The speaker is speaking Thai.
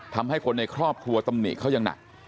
ทำให้คนในครอบครัวตำหนิเขายังหนัก